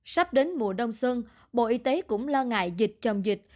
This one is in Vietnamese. sắp đến mùa đông xuân bộ y tế cũng lo ngại dịch chồng dịch